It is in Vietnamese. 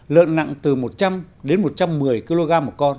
lợn nặng từ một trăm linh đến một trăm một mươi kg